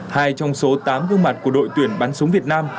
hai trong số tám gương mặt của đội tuyển bắn súng việt nam